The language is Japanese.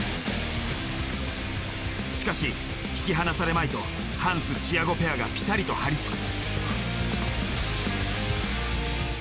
しかし引き離されまいとハンスチアゴペアがピタリと張り付く。